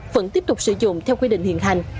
vẫn tiếp tục sử dụng theo quy định hiện hành